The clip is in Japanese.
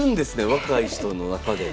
若い人の中で。